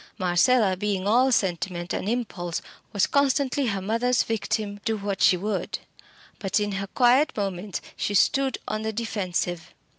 Marcella being all sentiment and impulse, was constantly her mother's victim, do what she would. But in her quiet moments she stood on the defensive.